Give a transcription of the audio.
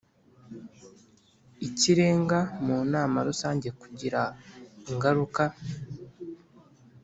Ikirenga mu nama rusange kugira ingaruka